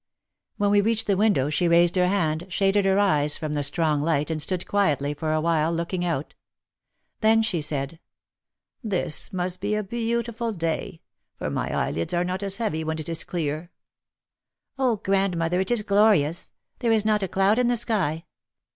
When we reached the window she raised her hand, shaded her eyes from the strong light and stood quietly for a while, looking out. Then she said, "This must be a beautiful day. For my eyelids are not as heavy when it is clear." "Oh, grandmother, it is glorious! There is not a cloud in the sky.